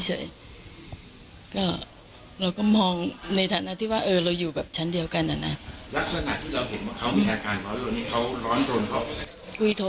อ้าวพบศพอ้าวเป็นศพน้องเอ๋ยตกใจมากนะคะคนที่อยู่คอนโดมิเนียมเดียวกันบอกแบบนี้